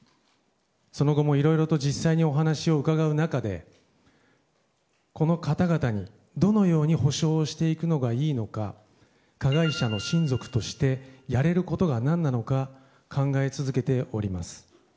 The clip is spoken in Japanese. その後もいろいろと実際にお話を伺う中でこの方々にどのように補償をしていくのがいいのか加害者の親族としてやれることが何なのか考え続けております。